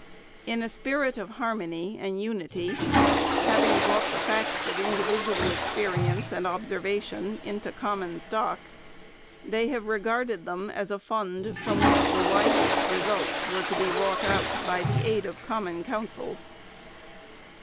In a spirit of harmony and unity, having brought the facts of individual experience and observa tion into common stock, they have regarded them as a fund, from which the wisest results were to be wrought out by the aid of common counsels.